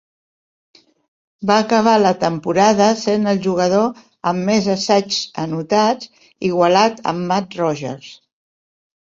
Va acabar la temporada sent el jugador amb més assaigs anotats, igualat amb Mat Rogers.